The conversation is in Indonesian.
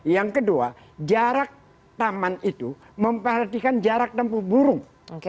yang kedua jarak taman itu memperhatikan jarak tempuh burung